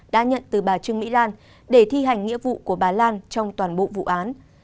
đã nhận từ bà trương mỹ lan để thi hành nghĩa vụ của bà lan trong toàn bộ vụ án